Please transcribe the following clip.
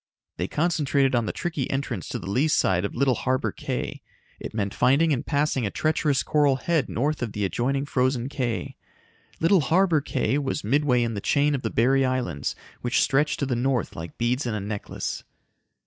They concentrated on the tricky entrance to the lee side of Little Harbor Cay. It meant finding and passing a treacherous coral head north of the adjoining Frozen Cay. Little Harbor Cay was midway in the chain of the Berry Islands which stretched to the north like beads in a necklace.